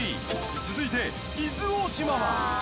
続いて伊豆大島は？